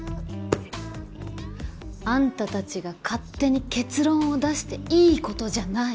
あんたたちが勝手に結論を出していいことじゃない。